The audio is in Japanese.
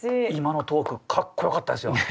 今のトークかっこよかったですよ。